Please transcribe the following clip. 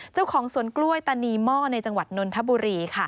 เจ้าของสวนกล้วยตานีหม้อในจังหวัดนนทบุรี